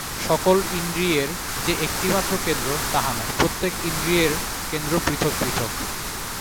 সকল ইন্দ্রিয়ের যে একটিমাত্র কেন্দ্র, তাহা নয়, প্রত্যেক ইন্দ্রিয়ের কেন্দ্র পৃথক পৃথক্।